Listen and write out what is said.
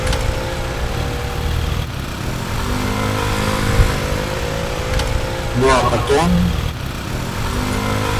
Ну, а потом?